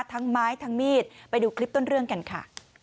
ทั้งไม้ทั้งมีดไปดูคลิปต้นเรื่องกันค่ะ